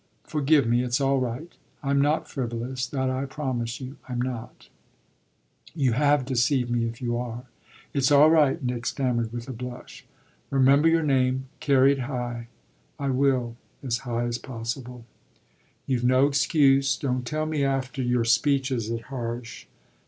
"Forgive me; it's all right. I'm not frivolous; that I promise you I'm not." "You have deceived me if you are." "It's all right," Nick stammered with a blush. "Remember your name carry it high." "I will as high as possible." "You've no excuse. Don't tell me, after your speeches at Harsh!"